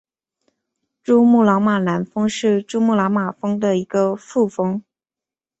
珠穆朗玛南峰是珠穆朗玛峰的一个副峰。